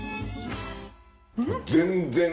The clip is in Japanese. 全然！